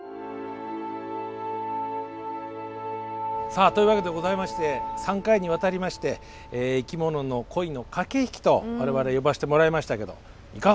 さあというわけでございまして３回にわたりまして生きものの恋の駆け引きと我々呼ばしてもらいましたけどいかがでしたか？